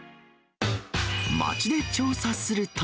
街で調査すると。